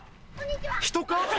人か？